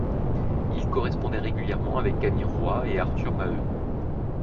Il correspondait régulièrement avec Camille Roy et Arthur Maheux.